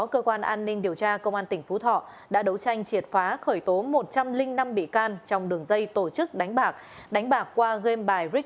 cơ quan an ninh điều tra công an tỉnh phú thọ triệt phá từ năm hai nghìn một mươi bảy